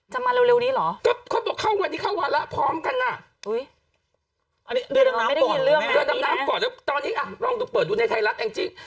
จะมาเร็วนี้เหรอก็เขาบอกวันนี้เข้าวาระพร้อมกันอ่ะเรือดำน้ำก่อนตอนนี้ลองเปิดดูในไทยรัฐจริง